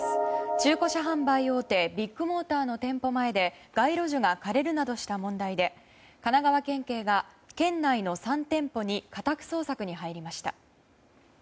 中古車販売大手ビッグモーターの店舗前で街路樹が枯れるなどした問題で神奈川県警が県内の３店舗に家宅捜索に入りました。